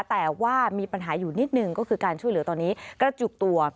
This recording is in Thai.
แต่ว่ามีปัญหาอยู่นิดหนึ่งก็คือการช่วยเหลือตอนนี้กระจุกตัว